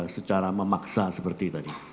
secara memaksa seperti tadi